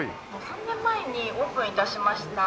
３年前にオープン致しました